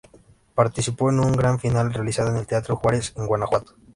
Participó en una gran final realizada en el Teatro Juárez, en Guanajuato.